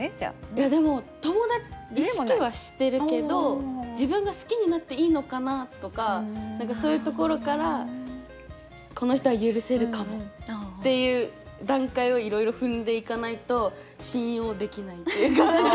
いやでも友達意識はしてるけど自分が好きになっていいのかな？とか何かそういうところからこの人は許せるかもっていう段階をいろいろ踏んでいかないと信用できないっていうか。